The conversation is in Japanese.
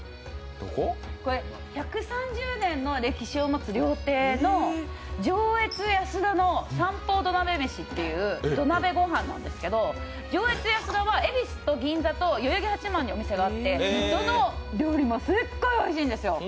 これ、１３０年の歴史を持つ料亭の上越やすだの三宝土鍋飯という土鍋ご飯なんですけど上越やすだは恵比寿と銀座と代々木八幡にお店があってどの料理もすっごいおいしいんですよ。